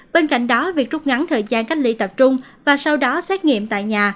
bên cạnh đó việc trút ngắn thời gian cách ly tập trung và sau đó xét nghiệm tại nhà